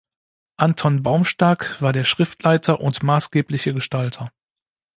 Anton Baumstark war der Schriftleiter und maßgebliche Gestalter.